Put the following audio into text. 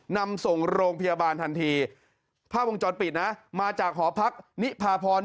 นำส่งโรงพยาบาลทันทีภาพวงจรปิดนะมาจากหอพักนิพาพร